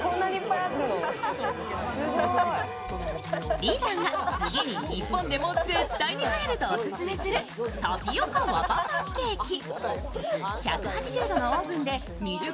李さんが次に日本でも絶対にはやるとオススメするふっくら仕上げたパンケーキに。